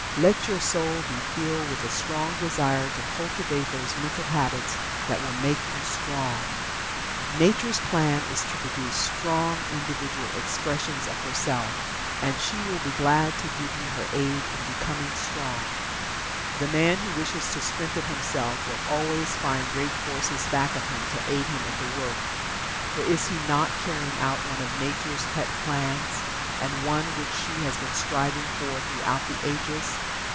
Let your soul be filled with the strong Desire to cultivate those mental habits that will make you Strong. Nature's plan is to produce Strong Individual expressions of herself, and she will be glad to give you her aid in becoming strong. The man who wishes to strengthen himself will always find great forces back of him to aid him in the work, for is he not carrying out one of Nature's pet plans, and one which she has been striving for throughout the ages.